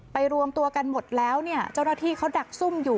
รวมตัวกันหมดแล้วเนี่ยเจ้าหน้าที่เขาดักซุ่มอยู่